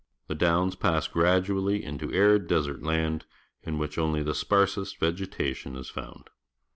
The downs pass gradually into arid desert land, in which only the sparsest vege tation is found.